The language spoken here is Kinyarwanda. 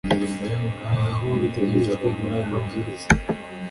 hari aho biteganyijwe muri aya mabwiriza